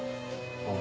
ああ。